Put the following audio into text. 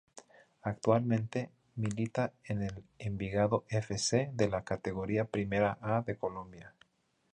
Actualmente milita en el Envigado F. C. de la Categoría Primera A de Colombia.